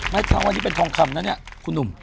นายท่านว่านี่เป็นทองคำนะเนี่ยคุณหนุ่ม